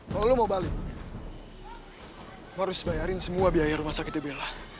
kalau lo mau balik lo harus bayarin semua biaya rumah sakit dibela